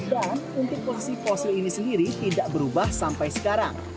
dan untuk posisi fosil ini sendiri tidak berubah sampai sekarang